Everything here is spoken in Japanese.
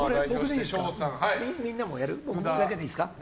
僕でいいですか。